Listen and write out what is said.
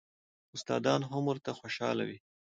استادان هم ورته خوشاله وي.